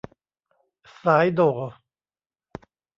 สายโด่